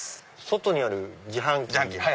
外にある自販機。